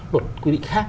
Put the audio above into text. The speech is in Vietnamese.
luật quy định khác